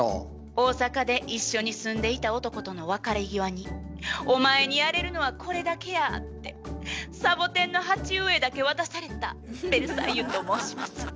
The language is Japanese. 大阪で一緒に住んでいた男との別れ際に「お前にやれるのはこれだけや」ってサボテンの鉢植えだけ渡されたベルサイユと申します。